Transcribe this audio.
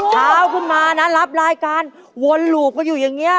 เช้าขึ้นมานะรับรายการวนหลูบกันอยู่อย่างนี้